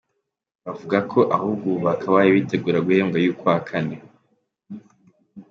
Bavuga ko ahubwo ubu bakabaye bitegura guhembwa ay’ukwa kane.